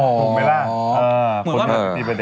เหมือนว่า